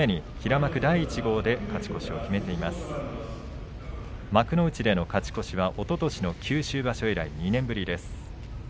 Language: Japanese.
幕内での勝ち越しは、おととしの九州場所以来２年ぶりです。